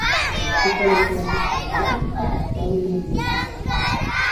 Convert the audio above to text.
У палеанталагічным летапісе прадстаўлены бедна.